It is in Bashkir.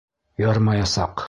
— Ярмаясаҡ.